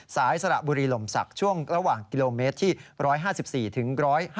สระบุรีลมศักดิ์ช่วงระหว่างกิโลเมตรที่๑๕๔ถึง๑๕